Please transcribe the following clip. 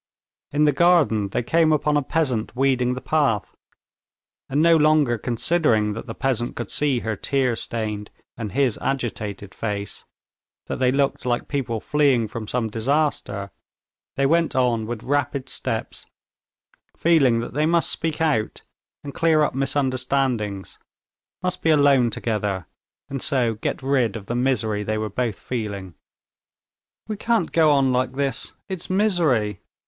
In the garden they came upon a peasant weeding the path. And no longer considering that the peasant could see her tear stained and his agitated face, that they looked like people fleeing from some disaster, they went on with rapid steps, feeling that they must speak out and clear up misunderstandings, must be alone together, and so get rid of the misery they were both feeling. "We can't go on like this! It's misery!